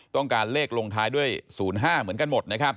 ต้องการเลขลงท้ายด้วย๐๕เหมือนกันหมดนะครับ